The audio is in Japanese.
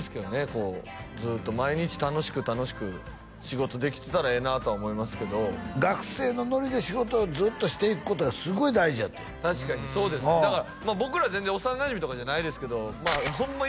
こうずっと毎日楽しく楽しく仕事できてたらええなとは思いますけど学生のノリで仕事をずっとしていくことはすごい大事やって確かにそうですねだから僕ら全然幼なじみとかじゃないですけどホンマ